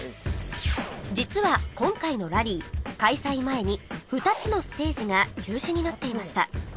実は今回のラリー開催前に２つのステージが中止になっていました